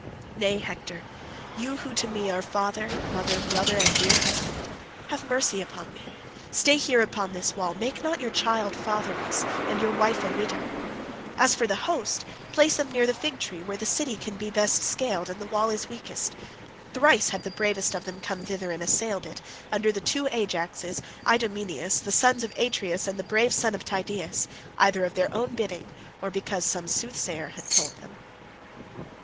Nay—Hector—you who to me are father, mother, brother, and dear husband—have mercy upon me; stay here upon this wall; make not your child fatherless, and your wife a widow; as for the host, place them near the fig tree, where the city can be best scaled, and the wall is weakest. Thrice have the bravest of them come thither and assailed it, under the two Ajaxes, Idomeneus, the sons of Atreus, and the brave son of Tydeus, either of their own bidding, or because some soothsayer had told them."